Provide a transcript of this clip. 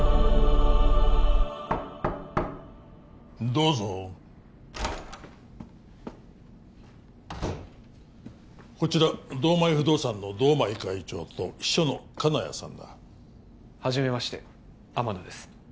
どうぞこちら堂前不動産の堂前会長と秘書の金谷さんだはじめまして天野です